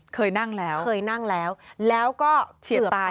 เคยนั่งแล้วแล้วก็เกือบตาย